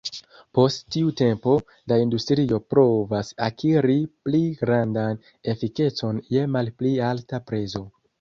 Post tiu tempo, la industrio provas akiri pli grandan efikecon je malpli alta prezo.